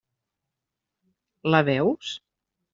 La veus?